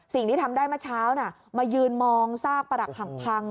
สิ่งที่ทำได้เมื่อเช้ามายืนมองซากประหลักหักพัง